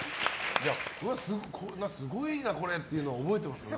すごいなこれっていうの覚えてますか？